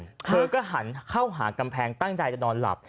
เธอก็หันเข้าหากำแพงตั้งใจจะนอนหลับ